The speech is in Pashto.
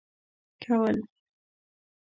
كول.